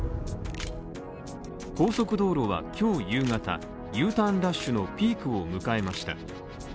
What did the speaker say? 高速道路は今日夕方、Ｕターンラッシュのピークを迎えました。